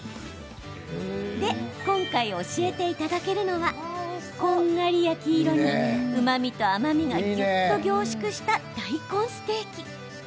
で、今回教えていただけるのはこんがり焼き色にうまみと甘みがぎゅっと凝縮した大根ステーキ。